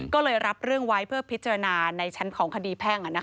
ก็เลยรับเรื่องไว้เพื่อพิจารณาในชั้นของคดีแพ่ง